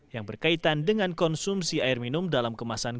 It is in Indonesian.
yang berkaitan dengan konsumsi air minum dalam kemasan